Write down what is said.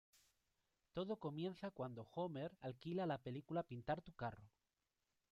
Todo comienza cuando Homer alquila la película "Pintar tu carro".